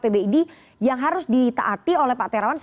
pbid yang harus ditaati oleh pak terawan